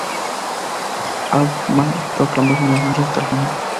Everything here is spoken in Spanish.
Hauptmann proclamó su inocencia hasta el final.